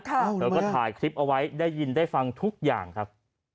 เธอก็ถ่ายคลิปเอาไว้ได้ยินได้ฟังทุกอย่างครับ